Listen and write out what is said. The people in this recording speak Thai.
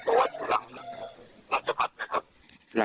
อืม